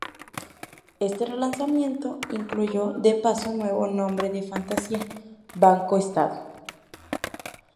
Este relanzamiento incluyó, de paso, un nuevo nombre de fantasía: BancoEstado.